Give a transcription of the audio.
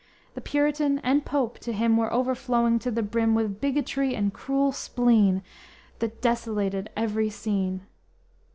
The Puritan and Pope to him Were overflowing to the brim With bigotry and cruel spleen That desolated every scene.